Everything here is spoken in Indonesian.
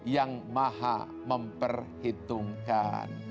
yang maha memperhitungkan